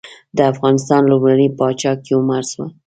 د افغانستان لومړنی پاچا کيومرث وه.